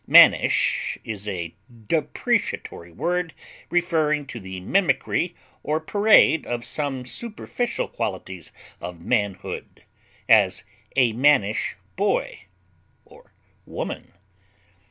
Mannish is a depreciatory word referring to the mimicry or parade of some superficial qualities of manhood; as, a mannish boy or woman.